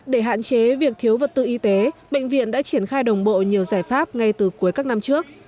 để hạn chế việc thiếu vật tư y tế bệnh viện đã triển khai đồng bộ nhiều giải pháp ngay từ cuối các năm trước